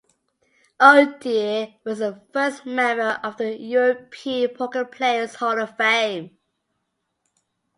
O'Dea was the first member of the European Poker Players Hall of Fame.